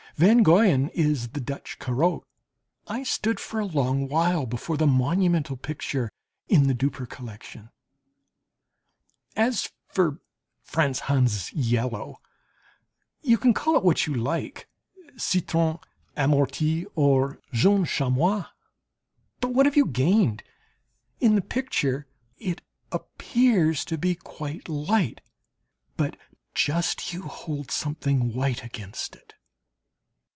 Van Goyen is the Dutch Corot. I stood for a long while before the monumental picture in the Dupper collection. As for Franz Hals's yellow, you can call it what you like, citron amorti or jaune chamois, but what have you gained? In the picture it appears to be quite light, but just you hold something white against it.